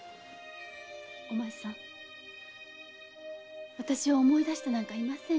お前さん私は思い出してなんかいませんよ。